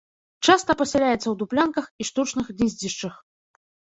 Часта пасяляецца ў дуплянках і штучных гнездзішчах.